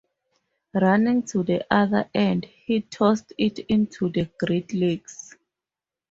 Running to the other end, he tossed it into the Great Lakes.